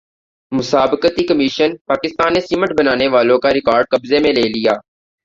مسابقتی کمیشن پاکستان نے سیمنٹ بنانے والوں کا ریکارڈ قبضے میں لے لیا